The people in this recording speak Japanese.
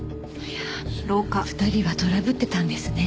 いやあ２人はトラブってたんですね。